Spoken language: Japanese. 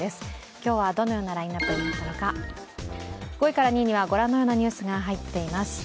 今日はどのようなラインナップになったのか５位から２位にはご覧のニュースが入っています。